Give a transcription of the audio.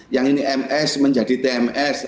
yang ini ms menjadi tms